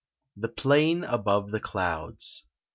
THE PLAIN ABOVE THE CLOUDS.